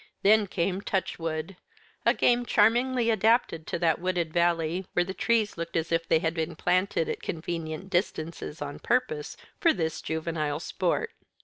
Then came Touchwood a game charmingly adapted to that wooded valley, where the trees looked as if they had been planted at convenient distances on purpose for this juvenile sport.